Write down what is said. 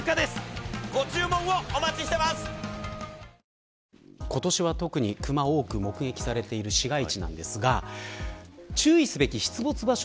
そんな中で今年は特にクマが多く目撃されている市街地ですが注意すべき出没場所